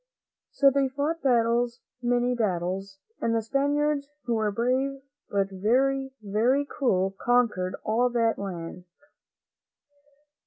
So they fought battles, many battles, and the Spaniards, who were brave, but very, very cruel, conquered all that country.